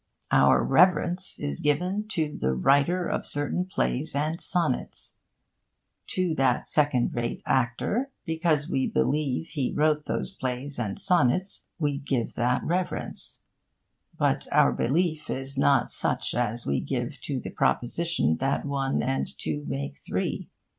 Our reverence is given to the writer of certain plays and sonnets. To that second rate actor, because we believe he wrote those plays and sonnets, we give that reverence. But our belief is not such as we give to the proposition that one and two make three.